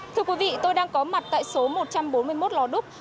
thưa quý vị tôi đang có mặt tại số một trăm bốn mươi một lò đúc